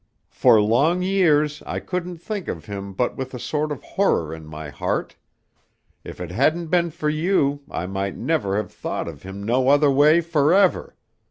For long years I couldn't think of him but with a sort of horror in my heart. If it hadn't been for you, I might never have thought of him no other way forever.